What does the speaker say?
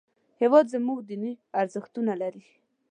هېواد زموږ دیني ارزښتونه لري